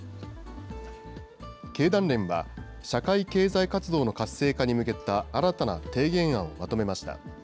経団連は社会経済活動の活性化に向けた新たな提言案をまとめました。